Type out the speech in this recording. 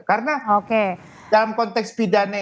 karena dalam konteks pidana itu